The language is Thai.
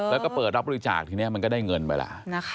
แล้วก็เปิดรับบริจาคทีนี้มันก็ได้เงินไปแล้ว